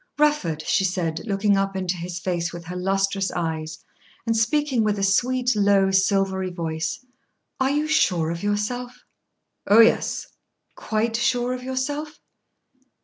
"Rufford," she said, looking up into his face with her lustrous eyes, and speaking with a sweet, low, silvery voice, "are you sure of yourself?" "Oh, yes." "Quite sure of yourself?"